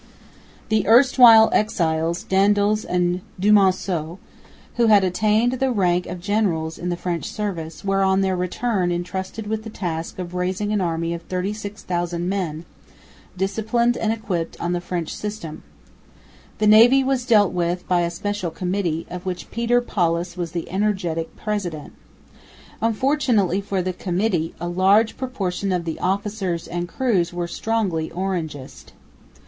The erstwhile exiles, Daendels and Dumonceau, who had attained the rank of generals in the French service, were on their return entrusted with the task of raising an army of 36,000 men, disciplined and equipped on the French system. The navy was dealt with by a special Committee, of which Pieter Paulus was the energetic president. Unfortunately for the Committee, a large proportion of the officers and crews were strongly Orangist.